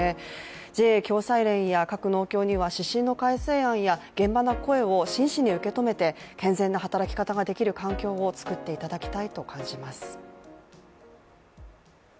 ＪＡ共済連や各農協には指針の改正案や現場の声を真摯に受け止めて、健全な働き方ができる環境を作っていただきたいと感じます。